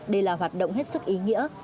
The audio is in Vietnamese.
đây là hoạt động hết sức ý nghĩa